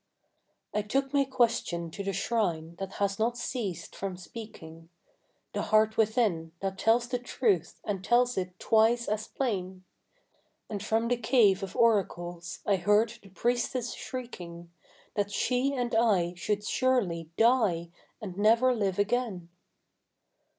I took my question to the shrine that has not ceased from speaking, The heart within, that tells the truth and tells it twice as plain; And from the cave of oracles I heard the priestess shrieking That she and I should surely die and never live again.